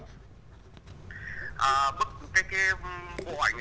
cái bộ ảnh